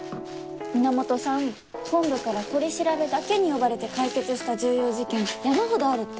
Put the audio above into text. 源さん本部から取り調べだけに呼ばれて解決した重要事件山ほどあるって。